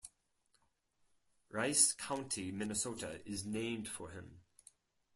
Rice County, Minnesota is named for him.